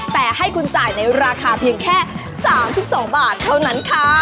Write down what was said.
แต่ให้คุณจ่ายในราคาเพียงแค่๓๒บาทเท่านั้นค่ะ